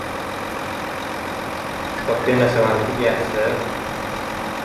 Kitobga “nashavandlik” yaxshi.